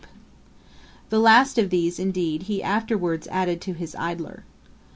'[Dagger] The last of these, indeed, he afterwards added to his Idler.